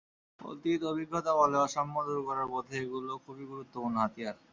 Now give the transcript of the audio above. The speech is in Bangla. অতীতে অভিজ্ঞতা বলে, অসাম্য দূর করার পথে এগুলো খুবই গুরুত্বপূর্ণ হাতিয়ার।